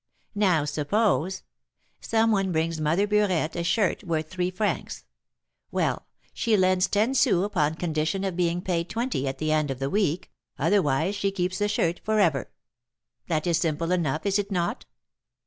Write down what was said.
Now suppose: Some one brings Mother Burette a shirt worth three francs; well, she lends ten sous upon condition of being paid twenty at the end of the week, otherwise she keeps the shirt for ever. That is simple enough, is it not?